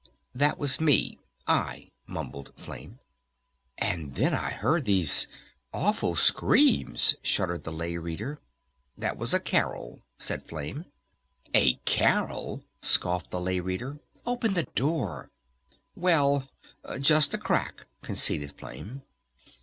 "That was me, I," mumbled Flame. "And then I heard these awful screams," shuddered the Lay Reader. "That was a Carol," said Flame. "A Carol?" scoffed the Lay Reader. "Open the door!" "Well just a crack," conceded Flame.